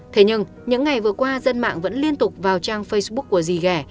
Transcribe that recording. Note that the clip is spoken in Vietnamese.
thế nhưng những ngày vừa qua dân mạng vẫn liên tục vào trang facebook của dì ghẻ